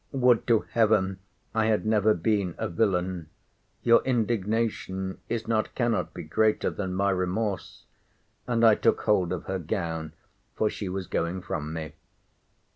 Would to Heaven I had never been a villain! Your indignation is not, cannot be greater, than my remorse—and I took hold of her gown for she was going from me.